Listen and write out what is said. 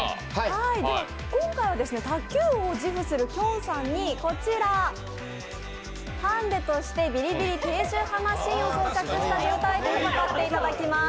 今回は卓球王を自負するきょんさんにこちら、ハンデとしてビリビリ低周波マシンを装着した状態で戦ってもらいます。